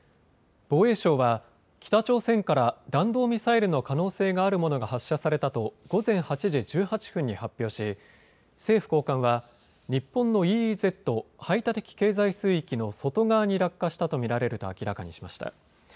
防衛省は北朝鮮から弾道ミサイルの可能性があるものが発射されたと午前８時１８分に発表し政府高官は日本のＥＥＺ・排他的経済水域の外側に落下したと見られると明らかにしました。